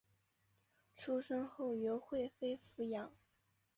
出生后由惠妃抚养。